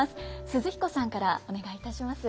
寿々彦さんからお願いいたします。